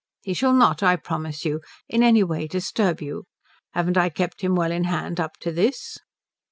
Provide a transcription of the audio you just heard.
He shall not, I promise you, in any way disturb you. Haven't I kept him well in hand up to this?"